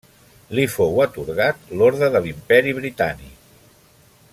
Li fou atorgat l'Orde de l'Imperi Britànic.